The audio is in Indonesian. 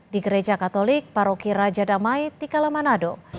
di gereja katolik paroki raja damai tikalamanado